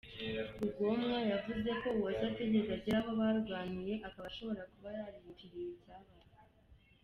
Rugomwa, yavuze ko Uwase atigeze agera aho barwaniye, akaba ashobora kuba yariyitiriye ibyabaye.